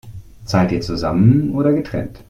Zahlt ihr zusammen oder getrennt?